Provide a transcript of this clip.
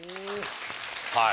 はい。